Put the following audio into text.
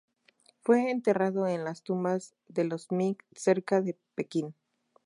Fue enterrado en las tumbas de los Ming cerca de Pekín.